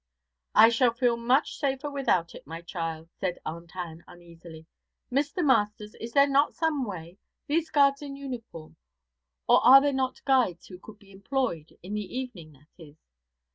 'I shall feel much safer without it, my child,' said Aunt Ann uneasily. 'Mr. Masters, is there not some way these guards in uniform, or are there not guides who could be employed in the evening, that is?'